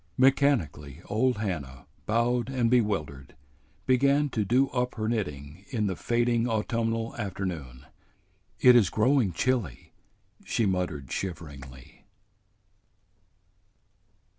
Mechanically old Hannah, bowed and bewildered, began to do up her knitting in the fading autumnal afternoon. "It is growing chilly," she muttered shiveringly.